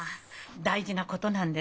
大事なことなんですもの。